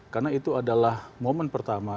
karena itu adalah momen pertama